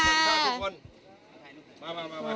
มาไหนอ่ะ